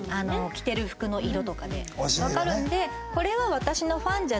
着てる服の色とかでわかるんで。